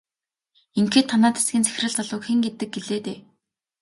Ингэхэд танай тасгийн захирал залууг хэн гэдэг гэлээ дээ?